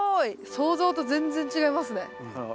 想像と全然違いますね。